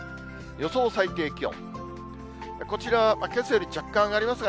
予想最高気温。